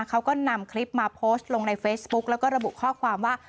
เขาก็นำคลิปมาโพสต์ลงในเฟซบุ๊กแล้วก็ระบุข้อความว่า